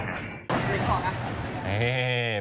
พี่ขอค่ะ